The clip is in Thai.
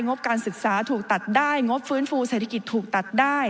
งบการศึกษาถูกตัดได้งบฟื้นฟูเศรษฐกิจถูกตัดได้